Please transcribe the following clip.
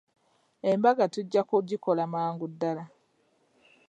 Embaga tujja kugikola mangu ddala.